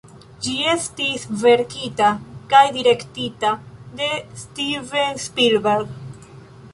Ĝi estis verkita kaj direktita de Steven Spielberg.